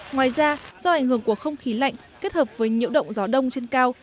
ngoài ra do ảnh hưởng của không khí lạnh kết hợp với nhiễu động gió đông trên cao